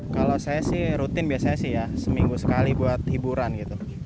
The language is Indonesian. kalau saya sih rutin biasanya sih ya seminggu sekali buat hiburan gitu